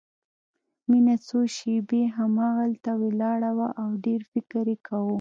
مينه څو شېبې همهغلته ولاړه وه او ډېر فکر يې کاوه.